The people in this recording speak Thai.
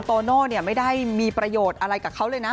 โตโน่ไม่ได้มีประโยชน์อะไรกับเขาเลยนะ